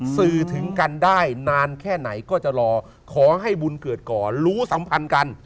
สื่อถึงกันได้นานแค่ไหนก็จะรอขอให้บุญเกิดก่อนรู้สัมพันธ์กัน